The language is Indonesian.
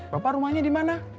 bapak rumahnya di mana